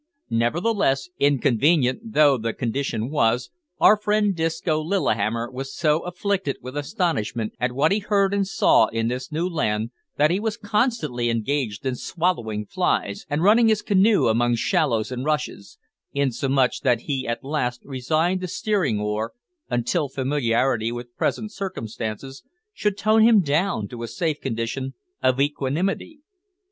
Nevertheless, inconvenient though the condition was, our friend Disco Lillihammer was so afflicted with astonishment at what he heard and saw in this new land, that he was constantly engaged in swallowing flies and running his canoe among shallows and rushes, insomuch that he at last resigned the steering oar until familiarity with present circumstances should tone him down to a safe condition of equanimity.